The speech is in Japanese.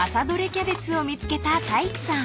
キャベツを見つけた太一さん］